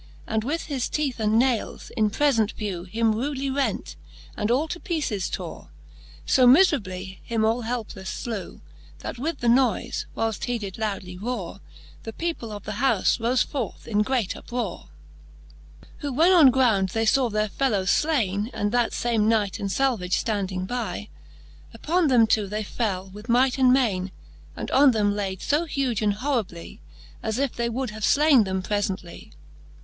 And with his teeth and nailes, in prefent vew. Him rudely rent, and all to peeces tore: So miferably him all helpelefs flew, That with the noife, whilefl; he did loudly rore. The people of the houfe rofe forth in great uprore. xxin. Who when on ground they faw their fellow flaine, And that fame Knight and Salvage fl:anding by, Upon them two they fell with might and maine. And on them layd fo huge and horribly. As if they would have flaine them prefently.